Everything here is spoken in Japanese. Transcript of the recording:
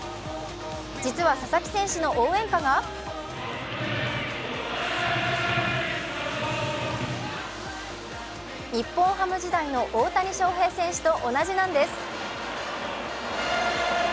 実は佐々木選手の応援歌が日本ハム時代の大谷翔平選手と同じなんです。